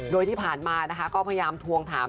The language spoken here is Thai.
โดยที่ผ่านมานะคะก็พยายามทวงถาม